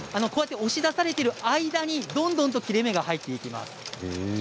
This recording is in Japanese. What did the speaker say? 押し出されている間にどんどんと切れ目が入っていきます。